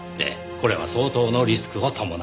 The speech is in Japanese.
これは相当のリスクを伴う。